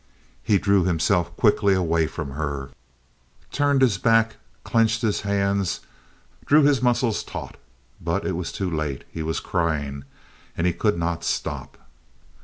He drew himself quickly away from her, turned his back, clinched his hands, drew his muscles taut; but it was too late. He was crying, and he could not stop.